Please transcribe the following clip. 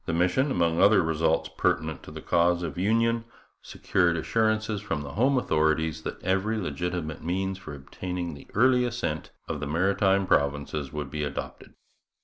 The mission, among other results pertinent to the cause of union, secured assurances from the home authorities that every legitimate means for obtaining the early assent of the Maritime Provinces would be adopted.